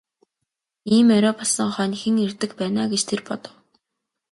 Ийм орой болсон хойно хэн ирдэг байна аа гэж тэр бодов.